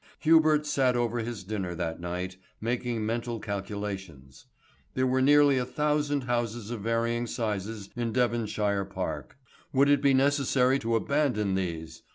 Hubert sat over his dinner that night, making mental calculations. There were nearly a thousand houses of varying sizes in Devonshire Park. Would it be necessary to abandon these?